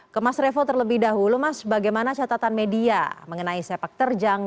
ke mas revo terlebih dahulu mas bagaimana catatan media mengenai sepak terjang